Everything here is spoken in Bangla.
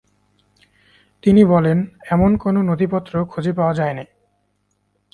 তিনি বলেন, এরকম কোন নথি পত্র খোঁজে পাওয়া যায়নি।